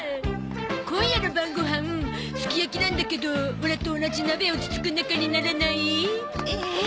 今夜の晩ご飯すき焼きなんだけどオラと同じ鍋をつつく仲にならない？えっ？